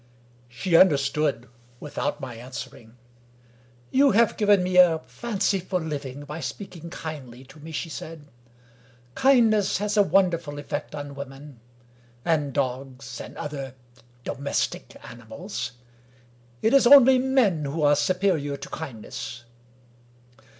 She understood, without my answering. "You have given me a fancy for living, by speaking kindly to me," she said. " Kindness has a wonderful effect on women, and dogs, and other domestic animals. It is only men who are superior to kindness.